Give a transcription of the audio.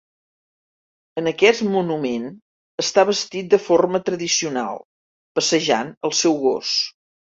En aquest monument està vestit de forma tradicional, passejant el seu gos.